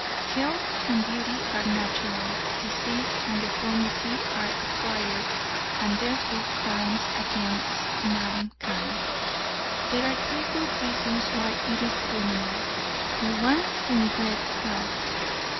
"Health and beauty are natural; disease and deformity are acquired, and are therefore crimes against mankind. There are three good reasons why it is criminal for one to neglect health.